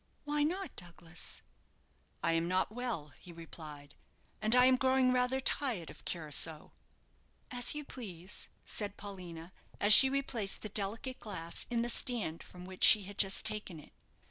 "Why not, Douglas?" "I am not well," he replied, "and I am growing rather tired of curaçoa." "As you please," said Paulina, as she replaced the delicate glass in the stand from which she had just taken it.